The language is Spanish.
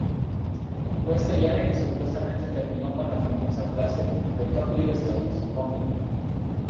Fue este viaje que supuestamente terminó con la famosa frase, "Dr. Livingstone, supongo?